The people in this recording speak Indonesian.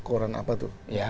koran apa tuh